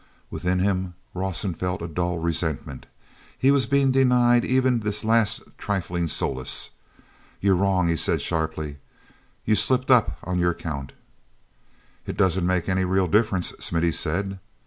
Within him, Rawson felt a dull resentment. He was being denied even this last trifling solace. "You're wrong," he said sharply. "You slipped up on your count." "It doesn't make any real difference," Smithy said.